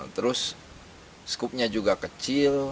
terus skupnya juga kecil